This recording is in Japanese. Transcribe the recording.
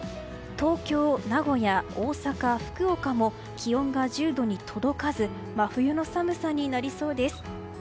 東京、名古屋、大阪、福岡も気温が１０度に届かず真冬の寒さになりそうです。